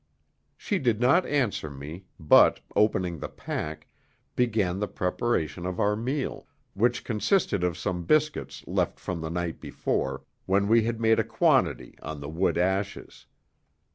She did not answer me, but, opening the pack, began the preparation of our meal, which consisted of some biscuits left from the night before, when we had made a quantity on the wood ashes.